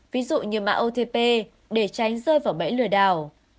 ví dụ như mạng otp để tránh rơi vào bẫy lừa đảo